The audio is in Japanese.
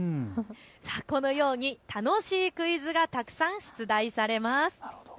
このように楽しいクイズがたくさん出題されます。